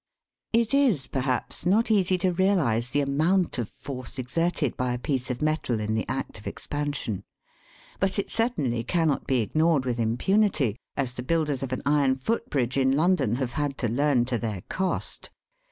It is, perhaps, not easy to realise the amount of force exerted by a piece of metal in the act of expansion ; but it certainly cannot be ignored with impunity, as the builders of an iron foot bridge in London have had to learn to their cost.